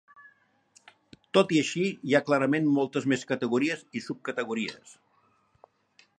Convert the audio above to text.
Tot i així, hi ha clarament moltes més categories i sub-categories.